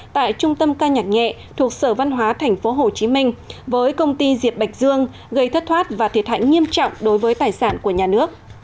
tại trung tâm ca nhạc nhẹ thuộc sở văn hóa tp hcm với công ty diệp bạch dương gây thất thoát và thiệt hại nghiêm trọng đối với tài sản của nhà nước